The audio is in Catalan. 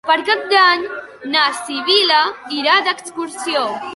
Per Cap d'Any na Sibil·la irà d'excursió.